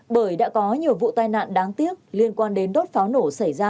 bởi đã có nhiều vụ tai nạn đáng tiếc liên quan đến đốt pháo nổ xảy ra